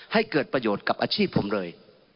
ให้เกิดประโยชน์กับอาชีพผมเลย